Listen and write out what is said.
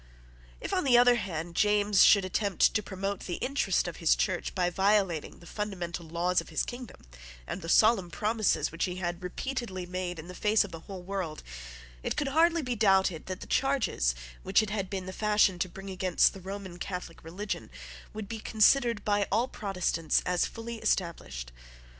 If, on the other hand, James should attempt to promote the interest of his Church by violating the fundamental laws of his kingdom and the solemn promises which he had repeatedly made in the face of the whole world, it could hardly be doubted that the charges which it had been the fashion to bring against the Roman Catholic religion would be considered by all Protestants as fully established.